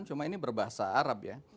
cuma ini berbahasa arab ya